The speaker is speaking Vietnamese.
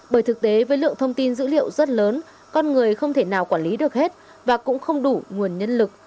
bởi thực tế với lượng thông tin dữ liệu rất lớn con người không thể nào quản lý được hết và cũng không đủ nguồn nhân lực